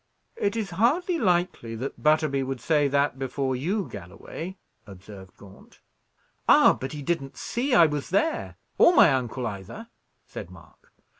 "It is hardly likely that Butterby would say that before you, Galloway," observed Gaunt. "Ah, but he didn't see I was there, or my uncle either," said Mark.